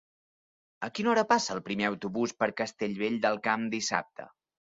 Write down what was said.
A quina hora passa el primer autobús per Castellvell del Camp dissabte?